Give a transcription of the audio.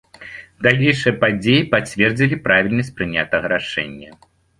Далейшыя падзеі пацвердзілі правільнасць прынятага рашэння.